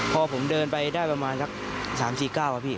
พอผมเดินไปได้ประมาณสัก๓๔๙ครับพี่